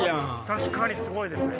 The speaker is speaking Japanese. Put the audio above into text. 確かにすごいですね。